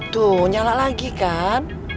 tuh nyala lagi kan